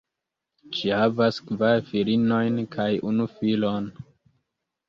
Ŝi havas kvar filinojn kaj unu filon.